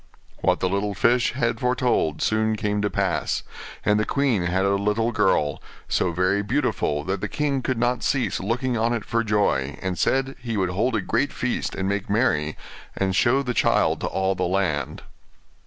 What the little fish had foretold soon came to pass; and the queen had a little girl, so very beautiful that the king could not cease looking on it for joy, and said he would hold a great feast and make merry, and show the child to all the land.